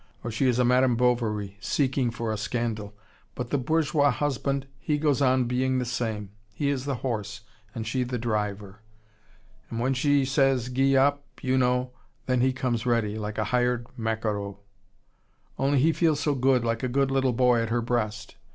Or she is a Madame Bovary, seeking for a scandal. But the bourgeois husband, he goes on being the same. He is the horse, and she the driver. And when she says gee up, you know then he comes ready, like a hired maquereau. Only he feels so good, like a good little boy at her breast.